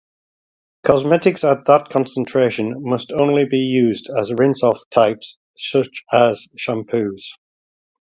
Cosmetics at that concentration must only be used as rinse-off types such as shampoos.